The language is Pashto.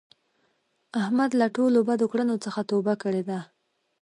احمد له ټولو بدو کړونو څخه توبه کړې ده.